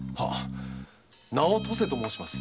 名を登世と申します。